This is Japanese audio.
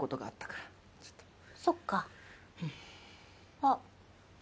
あっ。